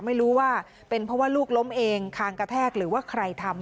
ไม่รู้ว่าเป็นเพราะว่าลูกล้มเองคางกระแทกหรือว่าใครทำ